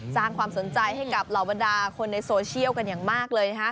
สร้างความสนใจให้กับเหล่าบรรดาคนในโซเชียลกันอย่างมากเลย